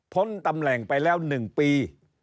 พ้นตำแหน่งไปแล้วหนึ่งปี